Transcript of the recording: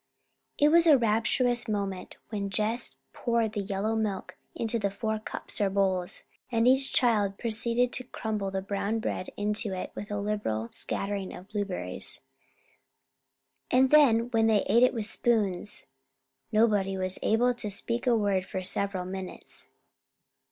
It was a rapturous moment when Jess poured the yellow milk into four cups or bowls, and each child proceeded to crumble the brown bread into it with a liberal scattering of blueberries. And then when they ate it with spoons! Nobody was able to speak a word for several minutes.